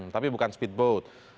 tapi bukan speed boat